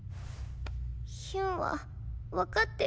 ヒュンは分かってる。